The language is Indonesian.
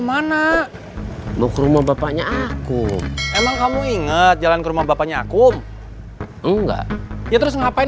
masa tidak ada hubungannya dengan konspirasi global